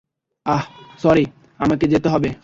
আহহ, sorry, আমাকে যেতে হবে।